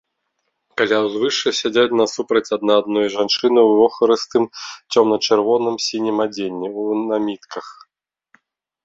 Каля ўзвышша сядзяць насупраць адна другой жанчыны ў вохрыстым, цёмна-чырвоным, сінім адзенні, у намітках.